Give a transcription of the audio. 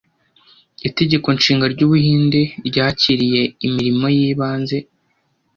Itegeko Nshinga ry'Ubuhinde ryakiriye imirimo y'ibanze